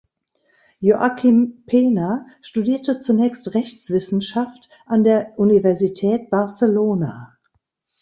Joaquim Pena studierte zunächst Rechtswissenschaft an der Universität Barcelona.